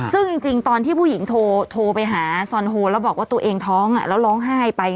ซึ่งจริงตอนที่ผู้หญิงโทรไปหาซอนโฮแล้วบอกว่าตัวเองท้องแล้วร้องไห้ไป